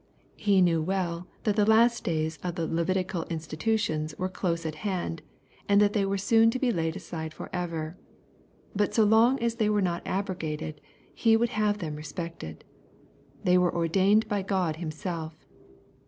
He knew well that the last days of the Levitical institutions were close at hand, and that they were soon to be laid aside forever. But so long as they were not abrogated He would have them respected. They were ordained by God Himself.